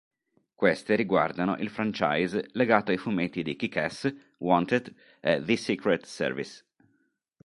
Queste riguardano il franchise legato ai fumetti di Kick-Ass, Wanted, e The Secret Service.